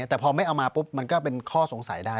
แต่พอไม่เอามาปุ๊บมันก็เป็นข้อสงสัยได้